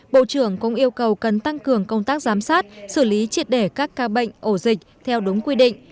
bộ trưởng cũng yêu cầu cần tăng cường công tác giám sát xử lý triệt để các ca bệnh ổ dịch theo đúng quy định